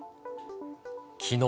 きのう。